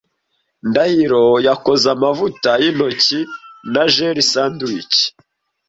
Ndahiro yakoze amavuta yintoki na jelly sandwich.